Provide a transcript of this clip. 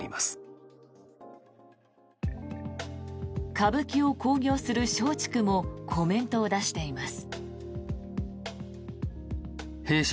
歌舞伎を興行する松竹もコメントを出しています。